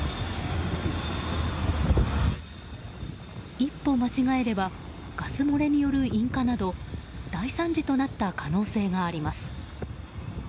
一歩間違えればガス漏れによる引火など大惨事となった可能性があります。